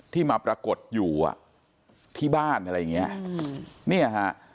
ที่มาปรากฏอยู่อ่ะที่บ้านอะไรอย่างเงี้ยเนี่ยฮะ